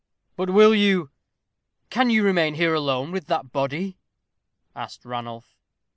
"But will you, can you remain here alone with that body?" asked Ranulph.